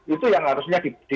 itu yang harusnya didalami